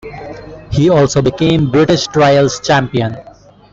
He also became British Trials Champion.